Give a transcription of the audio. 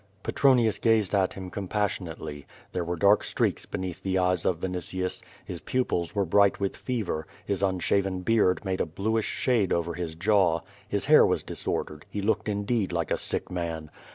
Petronius gazed at him compassionately. There were dark streaks beneath the eyes of Vinitius; his pupils were bright with fever; his unshaven beard made a bluish shade over his jaw; his hair was disordered; he looked indeed like a sick man.